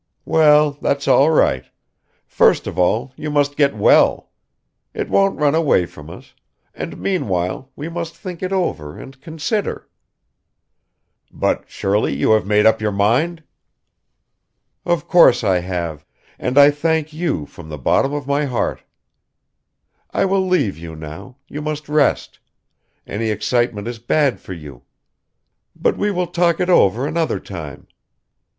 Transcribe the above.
"Well, that's all right. First of all, you must get well; it won't run away from us, and meanwhile we must think it over and consider ..." "But surely you have made up your mind?" "Of course I have, and I thank you from the bottom of my heart. I will leave you now; you must rest; any excitement is bad for you ... But we will talk it over another time.